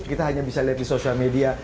kita hanya bisa lihat di sosial media